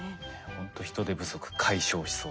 ほんと人手不足解消しそうです。